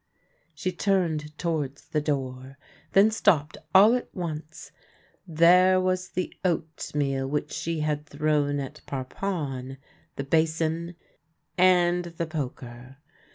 She turned towards the door, then stopped all at once. There was the oatmeal which she had thrown at Parpon, the basin, and the poker.